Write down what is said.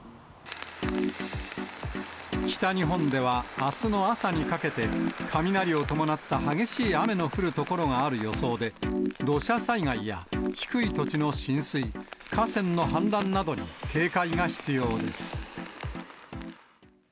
北日本では、あすの朝にかけて、雷を伴った激しい雨の降る所がある予想で、土砂災害や低い土地の浸水、河川の氾濫などに警戒が必要です。